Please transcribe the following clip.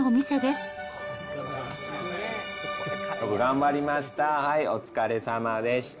よく頑張りました。